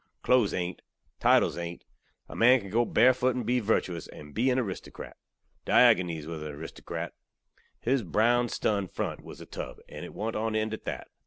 Clothes ain't. Titles ain't. A man kan go barefoot and be virtewous, and be an aristokrat. Diogoneze waz an aristokrat. His brown stun front waz a tub, and it want on end, at that.